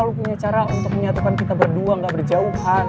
lo punya cara untuk menyatukan kita berdua gak berjauhan